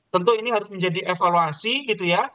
tentu ini harus menjadi evaluasi gitu ya